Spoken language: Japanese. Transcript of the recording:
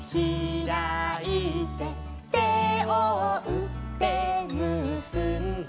「てをうってむすんで」